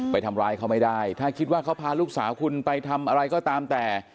ไปทำร้ายเขาไม่ได้ถ้าคิดว่าเขาพาลูกสาวคุณไปทำอะไรก็ตามแต่